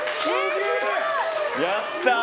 やった！